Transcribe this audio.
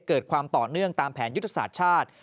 เกิดความต่อเนื่องตามแผนยุทธศาสตร์ชาติ